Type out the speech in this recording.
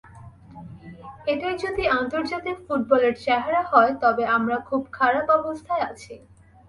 এটাই যদি আন্তর্জাতিক ফুটবলের চেহারা হয়, তবে আমরা খুব খারাপ অবস্থায় আছি।